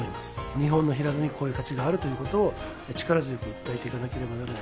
日本の平戸にこういう価値があるということを、力強く訴えていかなければならない。